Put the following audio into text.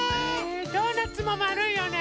ドーナツもまるいよね。